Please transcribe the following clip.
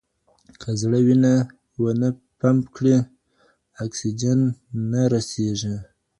که زړه وینه ونه پمپ کړي، اکسیجن نه رسېږي.